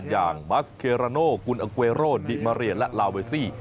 อย่างมัสเคราโนกุลอังกเวโรดดิมาเรียนและลาเวซี่